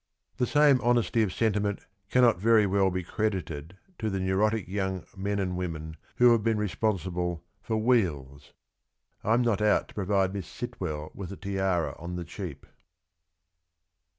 95 The same honesty of sentiment cannot very well be credited to the neurotic young men and women who have been responsible for ' Wheels.' ... I'm not out to provide Miss Sitwell with a tiara on the cheap.